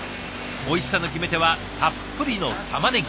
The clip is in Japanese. おいしさの決め手はたっぷりのたまねぎ。